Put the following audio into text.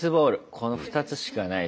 この２つしかないっすよ